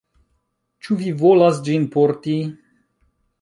Ĉu vi volas ĝin porti?